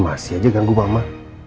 masih aja ganggu mama